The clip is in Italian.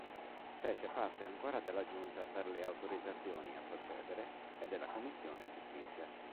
Fece parte ancora della Giunta per le autorizzazioni a procedere e della commissione Giustizia.